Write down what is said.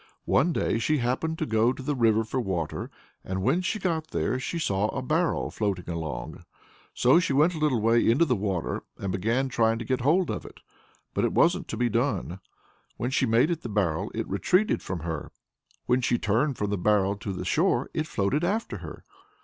One day she happened to go to the river for water, and when she got there she saw a barrel floating along. So she went a little way into the water and began trying to get hold of it. But it wasn't to be done! When she made at the barrel, it retreated from her: when she turned from the barrel to the shore, it floated after her.